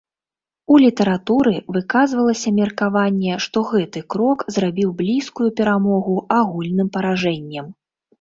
У літаратуры выказвалася меркаванне, што гэты крок зрабіў блізкую перамогу агульным паражэннем.